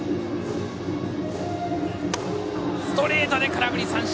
ストレートで空振り三振。